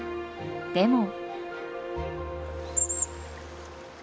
でも。